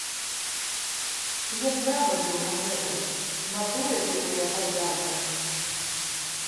Я права меў на гэта, на тое ты мая падданая!